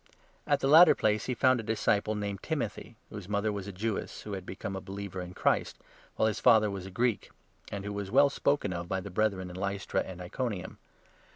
At the latter place they found a at Lyatra. disciple, named Timothy, whose mother was a Jewess who had become a believer in Christ, while his father was a Greek, and who was well spoken of by the Brethren in 2 Lystra and Iconium.